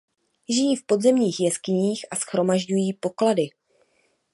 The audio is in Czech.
Žijí v podzemních jeskyních a shromažďují poklady.